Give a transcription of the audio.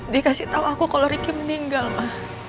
dia kasih tau aku kalau riki meninggal ma